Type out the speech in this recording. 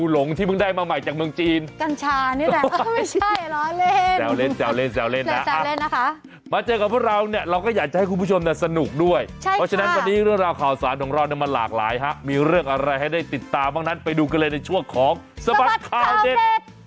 เพราะฉะนั้นวันนี้เรื่องราวข่าวสารของเรามันหลากหลายมีเรื่องอะไรให้ได้ติดตามบ้างนั้นไปดูกันเลยในช่วงของสบัดข่าวเด็ด